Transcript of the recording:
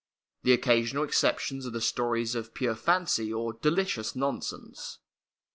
The occasional exceptions are the stories of pure fancy or delicious nonsense.